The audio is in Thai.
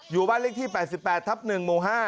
อยู่บ้านเลขที่๘๘ทับ๑หมู่๕